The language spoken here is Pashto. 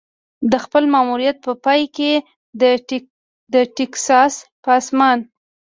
د خپل ماموریت په پای کې د ټیکساس په اسمان.